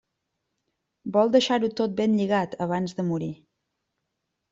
Vol deixar-ho tot ben lligat abans de morir.